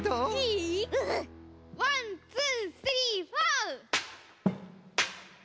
ワンツースリーフォー！